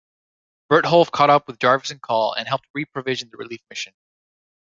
Bertholf caught up with Jarvis and Call and helped re-provision the relief mission.